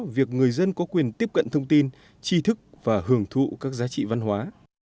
việc người dân có quyền tiếp cận thông tin chi thức và hưởng thụ các giá trị văn hóa